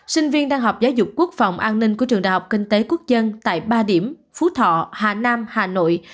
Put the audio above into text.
sinh viên đang học giáo dục quốc phòng an ninh của trường đại học kinh tế quốc dân tại ba điểm phú thọ hà nam hà nội